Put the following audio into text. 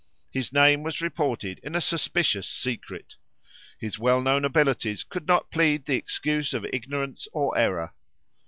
His name was reported in a suspicious secret. His well known abilities could not plead the excuse of ignorance or error.